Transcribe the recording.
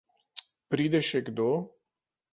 Pride še kdo?